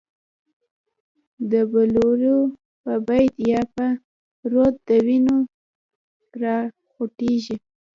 د بلورو په بید یا به، رود د وینو را خوټیږی